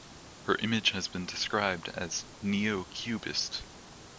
Her image has been described as "neo-cubist".